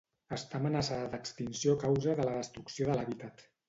Està amenaçada d'extinció a causa de la destrucció de l'hàbitat.